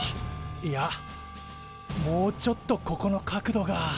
いやもうちょっとここの角度が。